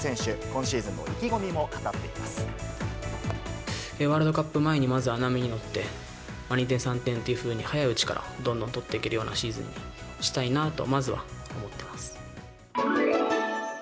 今シーズンの意気込みも語っていワールドカップ前に、まずは波に乗って、２点、３点というふうに早いうちから、どんどん取っていけるようなシーズンにしたいなと、まずは思ってます。